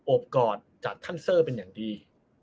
บกอดจากท่านเซอร์เป็นอย่างดี